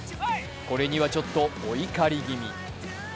これにはちょっとお怒り気味。